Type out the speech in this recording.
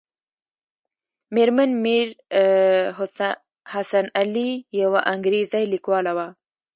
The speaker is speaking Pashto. مېرمن میر حسن علي یوه انګریزۍ لیکواله وه.